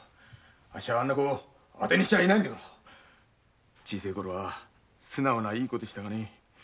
あっしはあんな子当てにしちゃいねぇんで小さいころは素直ないい子でしたがね。